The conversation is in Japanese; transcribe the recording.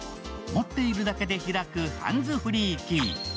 持っているだけで開くハンズフリーキー。